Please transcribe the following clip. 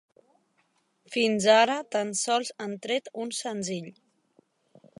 Fins ara tan sols han tret un senzill.